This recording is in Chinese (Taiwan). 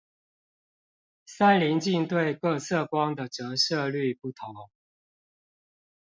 三稜鏡對各色光的折射率不同